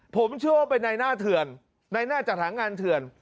ผมเชื่อว่าเป็นในหน้าเถื่อนในหน้าจัดหางานเถื่อน